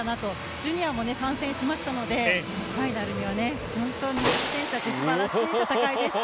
ジュニアも参戦しましたのでファイナルは選手たち素晴らしい戦いでした。